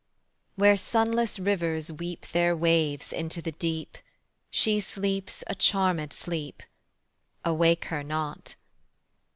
Where sunless rivers weep Their waves into the deep, She sleeps a charmèd sleep: Awake her not.